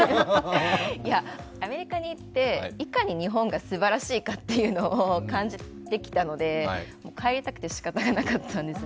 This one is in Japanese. アメリカに行って、いかに日本がすばらしいかを感じてきたので、帰りたくてしかたがなかったんです。